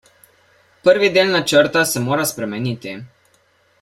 Prvi del načrta se mora spremeniti.